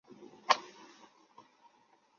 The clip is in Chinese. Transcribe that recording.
宋朝咸淳年间为咸淳府。